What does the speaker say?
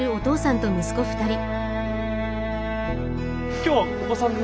今日はお子さんに？